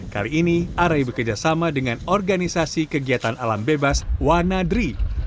kali ini arai bekerjasama dengan organisasi kegiatan alam bebas wanadri